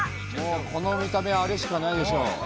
この見た目はあれしかないでしょ。